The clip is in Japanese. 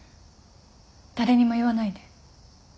誰にも言わないで。